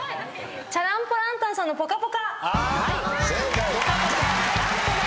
チャラン・ポ・ランタンさんの『ぽかぽか』正解。